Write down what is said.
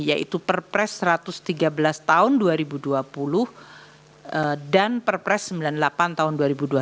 yaitu perpres satu ratus tiga belas tahun dua ribu dua puluh dan perpres sembilan puluh delapan tahun dua ribu dua puluh